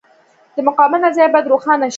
د مقاومت نظریه باید روښانه شي.